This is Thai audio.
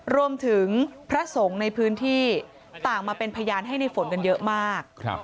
รวมถึงพระสงฆ์ในพื้นที่ต่างมาเป็นพยานให้ในฝนกันเยอะมาก